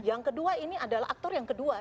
yang kedua ini adalah aktor yang kedua